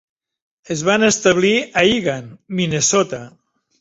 Es van establir a Eagan, Minnesota.